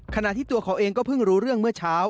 ขณะที่ตัวเขาเองก็เพิ่งรู้เรื่องเมื่อเช้า